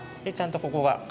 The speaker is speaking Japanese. でちゃんとここが。